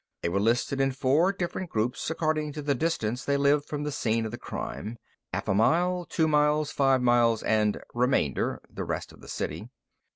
They were listed in four different groups, according to the distance they lived from the scene of the crime half a mile, two miles, five miles, and "remainder," the rest of the city.